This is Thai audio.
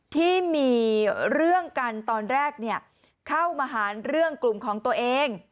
ที่มีเรื่องกันตอนแรกเข้ามาหาเรื่องกลุ่มของตัวเอง